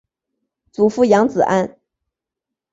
祖父杨子安。